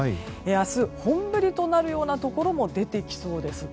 明日、本降りとなるところも出てきそうです。